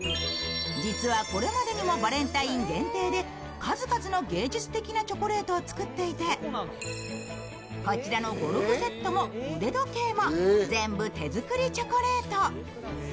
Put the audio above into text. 実はこれまでにもバレンタイン限定で数々の芸術的なチョコレートを作っていて、こちらのゴルフセットも腕時計も全部手作りチョコレート。